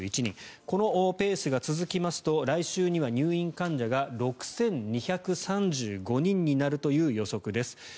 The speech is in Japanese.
このペースが続きますと来週には入院患者が６２３５人になるという予測です。